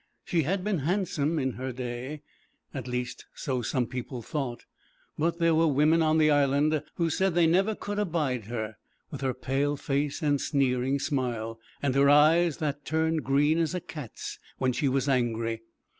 She had been handsome in her day, at least so some people thought, but there were women on the Island who said they never could abide her, with her pale face and sneering smile, and her eyes that turned green as a cat's when she was angry.